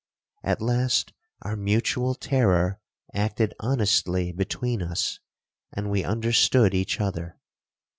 At last our mutual terror acted honestly between us, and we understood each other.